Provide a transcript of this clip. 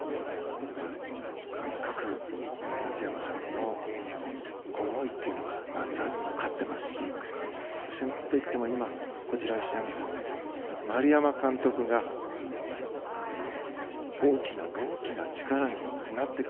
とにかく松山さんの思いっていうのはマスターズも勝っていますしなんといっても今こちらにいらっしゃいます丸山監督が大きな大きな力になってく。